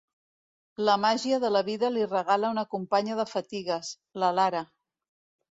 La màgia de la vida li regala una companya de fatigues: la Lara.